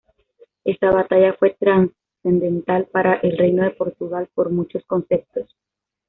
Esta batalla fue trascendental para el reino de Portugal por muchos conceptos.